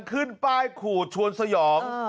ขึ้นป้ายขู่ชวนสยอง